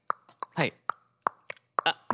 はい。